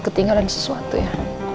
ketinggalan sesuatu ya